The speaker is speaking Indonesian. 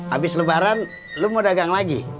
habis lebaran lu mau dagang lagi